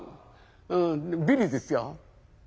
うんビリですよ。